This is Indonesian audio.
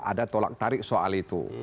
ada tolak tarik soal itu